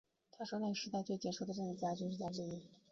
他是那个时代最杰出的政治家和军事家之一。